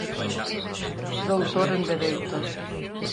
Doutor en Dereito.